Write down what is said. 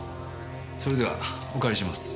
それではお借りします。